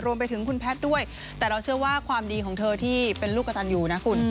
รวมไปถึงคุณแพทย์ด้วยแต่เราเชื่อว่าความดีของเธอที่เป็นลูกกระตันอยู่นะคุณ